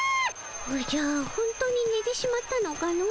おじゃほんとにねてしまったのかの？